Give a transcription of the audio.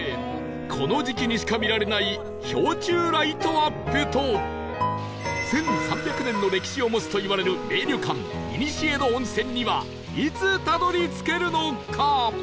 この時期にしか見られない氷柱ライトアップと１３００年の歴史を持つといわれる名旅館古の温泉にはいつたどり着けるのか？